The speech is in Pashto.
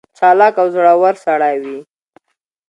چالاک او زړه ور سړی وي.